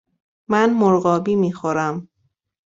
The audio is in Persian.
من مرغابی می خورم.